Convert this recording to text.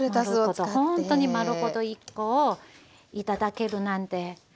ほんとに丸ごと１コを頂けるなんてね。